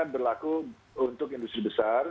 berlaku untuk industri besar